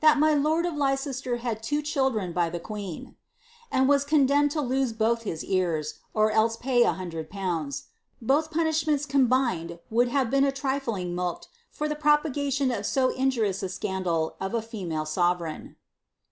345 of Lricester had two children by the qaeen,'' and was condemned to loie both hia ears, or else to pay a hundred pounds ; both punishments ranbined would bave been a trifling mulct for the propagation of so jojurious a scandal of a female sovereign.